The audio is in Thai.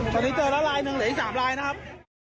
ตอนนี้เจอละรายนึงหลีกอีก๓รายนะครับ